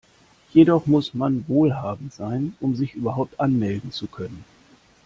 Jedoch muss man wohlhabend sein, um sich überhaupt anmelden zu können.